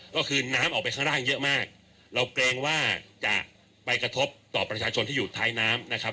ก็คือน้ำออกไปข้างล่างเยอะมากเราเกรงว่าจะไปกระทบต่อประชาชนที่อยู่ท้ายน้ำนะครับ